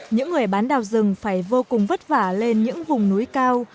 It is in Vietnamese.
những người bán đào rừng phải vô cùng vất vả lên những vùng núi cao